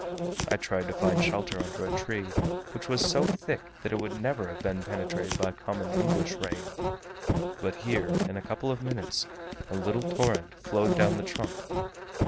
I tried to find shelter under a tree, which was so thick that it would never have been penetrated by common English rain; but here, in a couple of minutes, a little torrent flowed down the trunk.